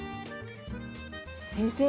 先生